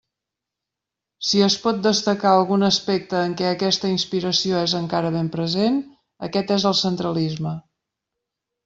Si es pot destacar algun aspecte en què aquesta inspiració és encara ben present, aquest és el centralisme.